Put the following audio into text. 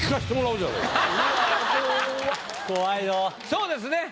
そうですね。